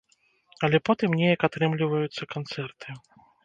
Але потым неяк атрымліваюцца канцэрты.